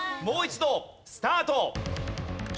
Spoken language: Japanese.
もう一度スタート。